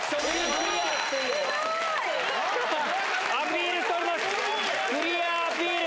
クリアアピール。